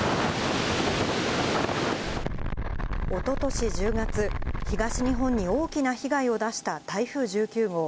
おととし１０月、東日本に大きな被害を出した台風１９号。